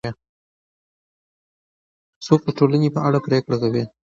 څوک د ټولنې په اړه پرېکړه کوي؟